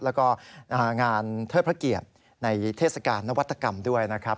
แล้วก็งานเทิดพระเกียรติในเทศกาลนวัตกรรมด้วยนะครับ